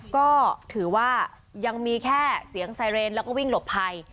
ก็ถือว่ายังมีแค่เสียงไซเรนแล้วก็วิ่งหลบภัย